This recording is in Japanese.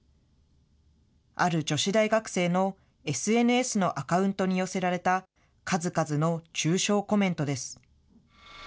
ある女子大学生のＳＮＳのアカウントに寄せられた数々の中傷コメントです。